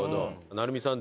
成海さん